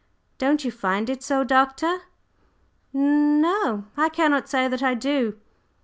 Don't you find it so, Doctor?" "N n o! I cannot say that I do.